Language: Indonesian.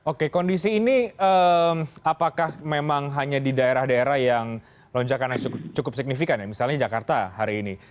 oke kondisi ini apakah memang hanya di daerah daerah yang lonjakan yang cukup signifikan ya misalnya jakarta hari ini